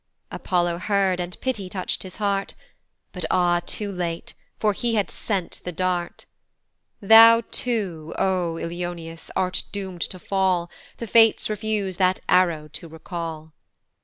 Apollo heard, and pity touch'd his heart, But ah! too late, for he had sent the dart: Thou too, O Ilioneus, art doom'd to fall, The fates refuse that arrow to recal.